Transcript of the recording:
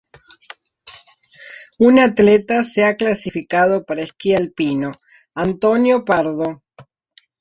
Un atletas se han clasificado para esquí alpino: Antonio Pardo.